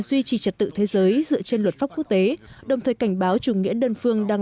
duy trì trật tự thế giới dựa trên luật pháp quốc tế đồng thời cảnh báo chủ nghĩa đơn phương đang